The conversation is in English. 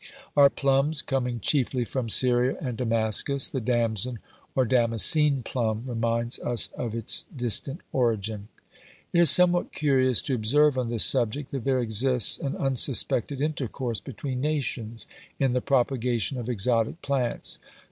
Our plums coming chiefly from Syria and Damascus, the damson, or damascene plum, reminds us of its distant origin. It is somewhat curious to observe on this subject, that there exists an unsuspected intercourse between nations, in the propagation of exotic plants.